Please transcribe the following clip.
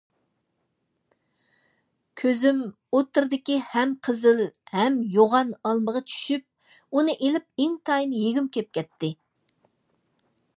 كۆزۈم ئوتتۇرىدىكى ھەم قىزىل، ھەم يوغان ئالمىغا چۈشۈپ ئۇنى ئېلىپ ئىنتايىن يېگۈم كېلىپ كەتتى.